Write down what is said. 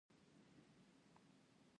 آیا افغانستان به جنت شي؟